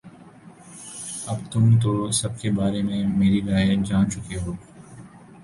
اب تم تو سب کے بارے میں میری رائے جان چکے ہو